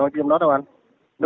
trong đó đâu anh